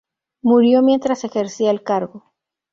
Murió mientras ejercía el cargo.